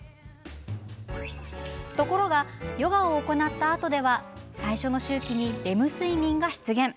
ところがヨガを行ったあとでは最初の周期にレム睡眠が出現。